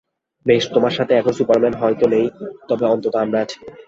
বেশ, তোমার সাথে এখন সুপারম্যান হয়তো নেই, তবে অন্তত আমরা আছি।